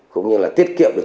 cũng như là tiết kiệm